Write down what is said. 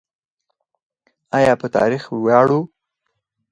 آیا په تاریخ ویاړو؟